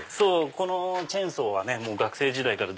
このチェーンソーは学生時代から。